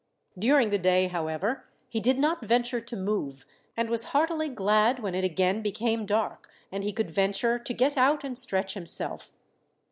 During the day, however, he did not venture to move, and was heartily glad when it again became dark, and he could venture to get out and stretch himself.